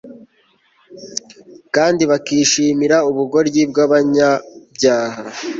Kandi bakishimira ubugoryi bwabanyabyaha